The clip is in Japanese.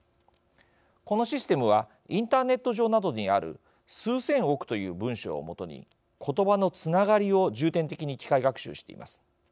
このシステムはインターネット上などにある数千億という文章をもとに言葉のつながりを重点的に機械学習しています。